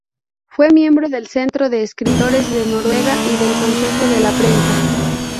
Fue miembro del Centro de Escritores de Noruega y del Consejo de la Prensa.